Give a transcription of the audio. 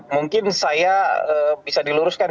mungkin saya bisa diluruskan